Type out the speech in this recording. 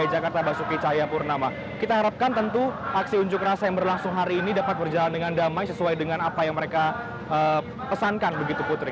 jadi saya berharapkan akan berjalan dengan damai sesuai dengan apa yang mereka pesankan begitu putri